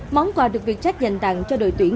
món quà được vietjet dành tặng cho đội tuyển